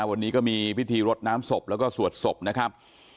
วันนี้ก็มีพิธีรดน้ำศพแล้วก็สวดศพนะครับ